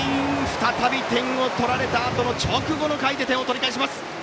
再び点を取られた直後の回で点を取り返します！